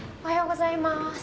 おはようございます。